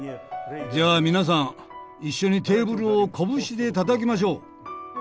「じゃあ皆さん一緒にテーブルを拳で叩きましょう」。